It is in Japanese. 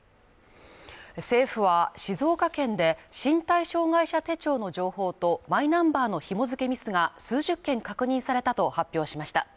政府は、静岡県で身体障害者手帳の情報とマイナンバーの紐づけミスが数十件確認されたと発表しました。